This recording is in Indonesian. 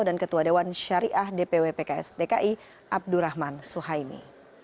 dan ketua dewan syariah dpw pks dki abdurrahman suhaimi